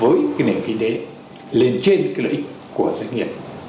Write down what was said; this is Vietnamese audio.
với cái nền kinh tế lên trên cái lợi ích của doanh nghiệp